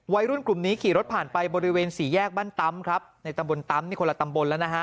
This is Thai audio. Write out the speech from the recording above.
วัยรุ่นกลุ่มนี้ขี่รถผ่านไปบริเวณสี่แยกบ้านตั๊มครับในตำบลตั๊มนี่คนละตำบลแล้วนะฮะ